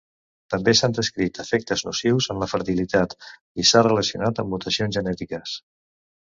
També s'han descrit efectes nocius en la fertilitat i s'ha relacionat amb mutacions genètiques.